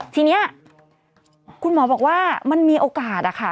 ทีนี้คุณหมอบอกว่ามันมีโอกาสอะค่ะ